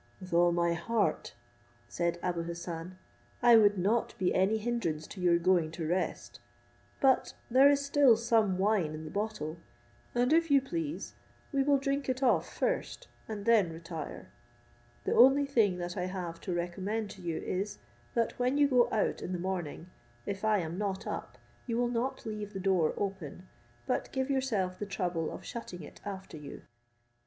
"With all my heart," said Abou Hassan; "I would not be any hindrance to your going to rest; but there is still some wine in the bottle, and if you please we will drink it off first, and then retire. The only thing that I have to recommend to you is, that when you go out in the morning, if I am not up, you will not leave the door open, but give yourself the trouble of shutting it after you."